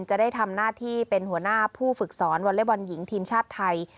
จะได้ทำหน้าที่เป็นหัวหน้าผู้ฝึกสอนวอเล็กบอลหญิงทีมชาติไทย